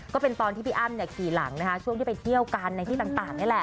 ก็เป็นตอนที่พี่อ้ำขี่หลังนะคะช่วงที่ไปเที่ยวกันในที่ต่างนี่แหละ